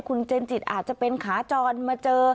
คุณเจนจิตอาจจะเป็นขาจรมาเจอ